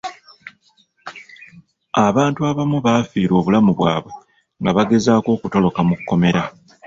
Abantu abamu baafiirwa obulamu bwabwe nga bagezaako okutoloka mu kkomera.